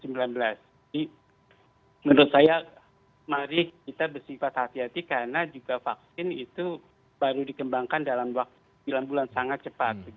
jadi menurut saya mari kita bersifat hati hati karena juga vaksin itu baru dikembangkan dalam waktu dalam bulan sangat cepat